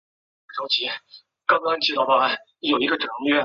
在今青海省贵德县境内。